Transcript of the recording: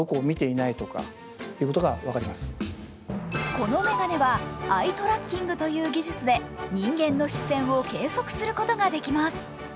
この眼鏡はアイトラッキングという技術で人間の視線を計測することができます。